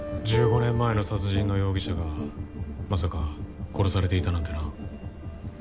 １５年前の殺人の容疑者がまさか殺されていたなんてな。